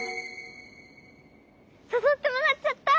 さそってもらっちゃった！